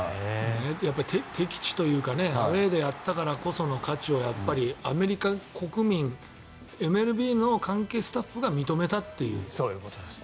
敵地というかアウェーでやったからこその価値をやっぱりアメリカ国民ＭＬＢの関係スタッフが認めたということですね。